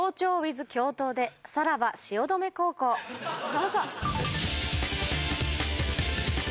どうぞ。